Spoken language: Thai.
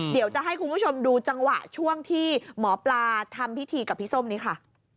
เดี๋ยวจะให้คุณผู้ชมดูจังหวะช่วงที่หมอปลาทำพิธีกับพี่ส้มนี้ค่ะ